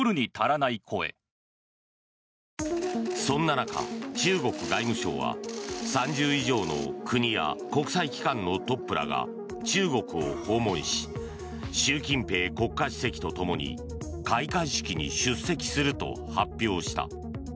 そんな中、中国外務省は３０以上の国や国際機関のトップらが中国を訪問し習近平国家主席とともに開会式に出席すると発表した。